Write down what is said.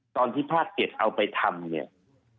ตอนที่ภาค๗เอาไปทำเนี่ย